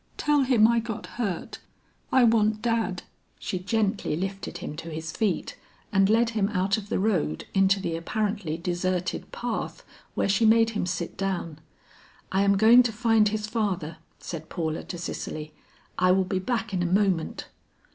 Tell him I got hurt. I want Dad." She gently lifted him to his feet and led him out of the road into the apparently deserted path where she made him sit down. "I am going to find his father," said Paula to Cicely, "I will be back in a moment."